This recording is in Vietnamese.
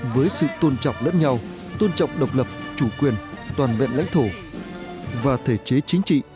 với sự tôn trọng lẫn nhau tôn trọng độc lập chủ quyền toàn vẹn lãnh thổ và thể chế chính trị